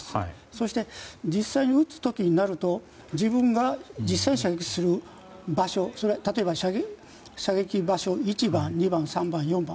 そして、実際に撃つ時になると自分が実際に射撃する場所例えば、射撃場所１番、２番、３番、４番。